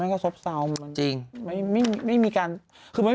ที่กลับบ้านก็จริงกับ่าสบเศร้า